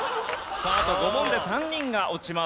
さああと５問で３人が落ちます。